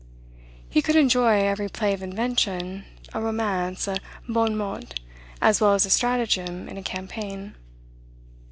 He could enjoy every play of invention, a romance, a bon mot, as well as a stratagem in a campaign.